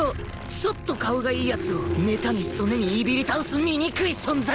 ちょっと顔がいい奴を妬み嫉みいびり倒す醜い存在